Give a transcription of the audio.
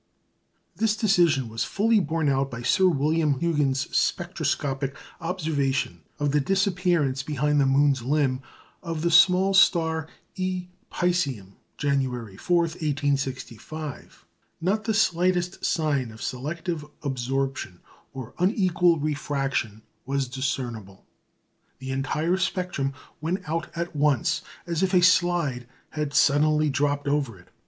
" This decision was fully borne out by Sir William Huggins's spectroscopic observation of the disappearance behind the moon's limb of the small star Eta Piscium, January 4, 1865. Not the slightest sign of selective absorption or unequal refraction was discernible. The entire spectrum went out at once, as if a slide had suddenly dropped over it.